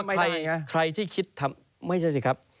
ก็ผมก็บอกว่าใครที่คิดทำไม่ใช่สิครับ